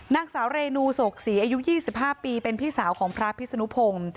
นางสาวเรนูศกศรีอายุ๒๕ปีเป็นพี่สาวของพระพิศนุพงศ์